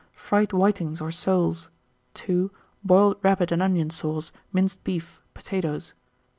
Fried whitings or soles. 2. Boiled rabbit and onion sauce, minced beef, potatoes.